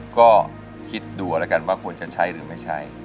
ก็คิดดูแล้วกันว่าควรจะใช้หรือไม่ใช่